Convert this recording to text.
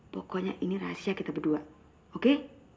pokoknya ini rahasia kita berdua oke